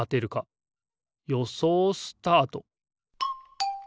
よそうスタート！